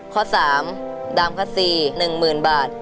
ข้อ๓ดามคซี๑๐๐๐บาท